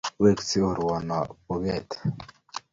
Wekse urwon bo ket.